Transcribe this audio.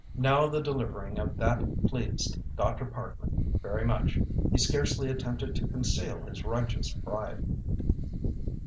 Now the delivering of that pleased Dr. Parkman very much. He scarcely attempted to conceal his righteous pride.